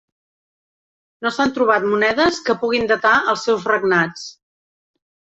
No s'han trobat monedes que puguin datar els seus regnats.